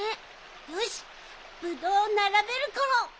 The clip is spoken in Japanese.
よしぶどうをならべるコロ！